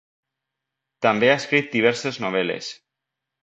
També ha escrit diverses novel·les.